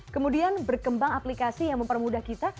kemudian berkembang aplikasi yang mempermudah kita